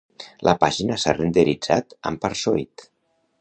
La pàgina s'ha renderitzat amb Parsoid.